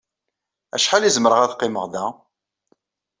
Acḥal i zemreɣ ad qqimeɣ da?